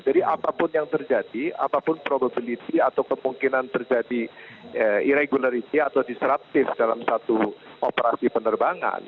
jadi apapun yang terjadi apapun probability atau kemungkinan terjadi irregularity atau disruptive dalam satu operasi penerbangan